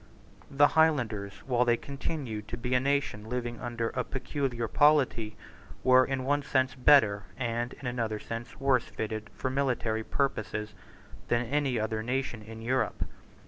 The Highlanders, while they continued to be a nation living under a peculiar polity, were in one sense better and in another sense worse fitted for military purposes than any other nation in Europe.